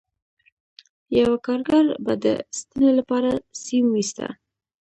یوه کارګر به د ستنې لپاره سیم ویسته